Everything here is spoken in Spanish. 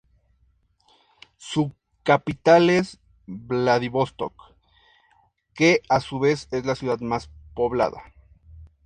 Su capital es Vladivostok que a su vez es la ciudad más poblada.